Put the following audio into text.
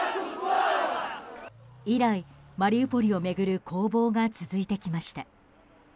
以来、マリウポリを巡る攻防が続いてきました。